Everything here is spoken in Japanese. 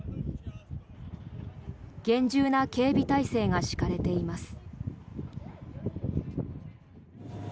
厳重な警備態勢が敷かれています。